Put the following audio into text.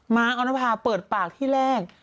้าออนภาเปิดปากที่แรก